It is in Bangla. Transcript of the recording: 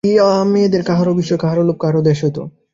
দেখিয়া মেয়েদের কাহারও বিস্ময়, কাহারও লোভ, কাহারও বা দ্বেষ হইত।